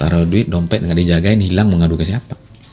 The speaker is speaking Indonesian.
taruh duit dompet dengan dijaga hilang mengadu ke siapa